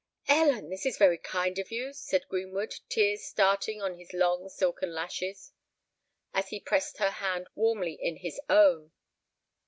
"Ellen, this is very kind of you," said Greenwood, tears starting on his long silken lashes, as he pressed her hand warmly in his own.